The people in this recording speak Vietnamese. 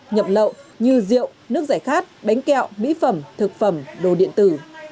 nhập lậu như rượu nước giải khát bánh kẹo mỹ phẩm thực phẩm đồ điện tử